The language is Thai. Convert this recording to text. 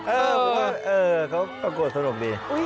เออเขาประกวดสนุกดี